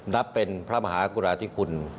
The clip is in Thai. นับเป็นพระมหากุราธิคุณ